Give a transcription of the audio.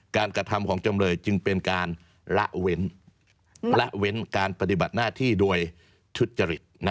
กระทำของจำเลยจึงเป็นการละเว้นการปฏิบัติหน้าที่โดยทุจริต